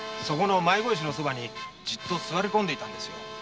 そこの迷子石の側にじっと座りこんでいたんですよ。